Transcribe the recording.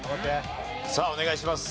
さあお願いします。